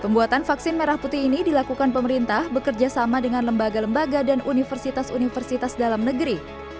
pembuatan vaksin merah putih ini dilakukan pemerintah bekerja sama dengan lembaga lembaga dan universitas universitas dalam negeri